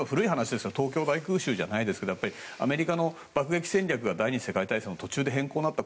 東京大空襲じゃないですけどアメリカの爆撃戦略が第２次世界大戦の途中で変更になった。